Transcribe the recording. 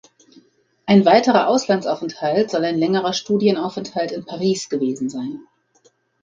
Ein weiterer Auslandsaufenthalt soll ein längerer Studienaufenthalt in Paris gewesen sein.